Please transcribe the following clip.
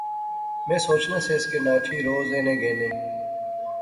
میں سوچنا سیس کہ ناٹھی روز اینے گینے